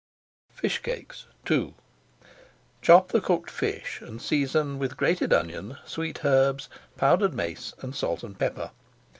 FISH CAKES II Chop the cooked fish and season with grated onion, sweet herbs, powdered mace, and salt and pepper.